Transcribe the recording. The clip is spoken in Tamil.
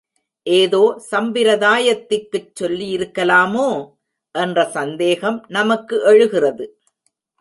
ஏதோ சம்பிரதாயத்திற்குச் சொல்லியிருக்கலாமோ? என்ற சந்தேகம் நமக்கு எழுகிறது.